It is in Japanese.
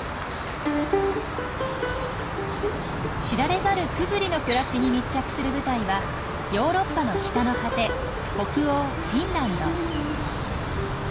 知られざるクズリの暮らしに密着する舞台はヨーロッパの北の果て北欧フィンランド。